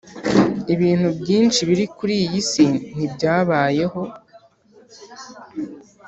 ibintu byinshi biri kuri iyi si ntibyabayeho.